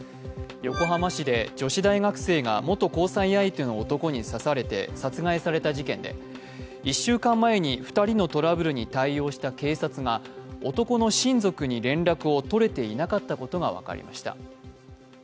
横浜市で女子大学生が元交際相手の男に刺されて殺害された事件で１週間前に２人のトラブルに対応した警察が男の親族に連絡を取れていなかったことが分かりました。